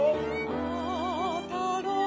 「あたろうか」